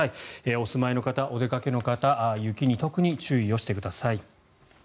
お住まいの方、お出かけの方雪に特に注意をしてください。